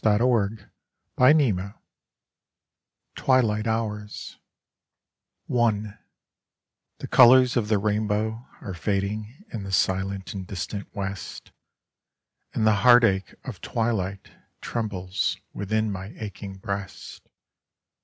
Digitized by Google Twilight Kours I Tne colors of the rainbow are fading in the silent and distant West, and the heartache of twili.^ht trembles within ay aching breast.